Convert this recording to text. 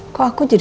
aku mau ke rumah